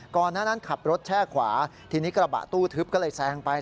ก่อนหน้านั้นขับรถแช่ขวาทีนี้กระบะตู้ทึบก็เลยแซงไป